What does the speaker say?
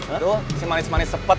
aduh si manis manis cepat